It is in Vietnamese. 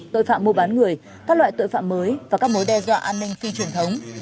tội phạm mua bán người các loại tội phạm mới và các mối đe dọa an ninh phi truyền thống